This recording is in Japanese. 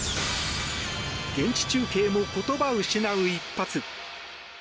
現地中継も言葉失う一発。